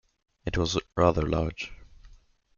It was rather large.